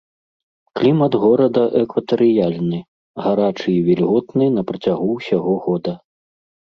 Клімат горада экватарыяльны, гарачы і вільготны на працягу ўсяго года.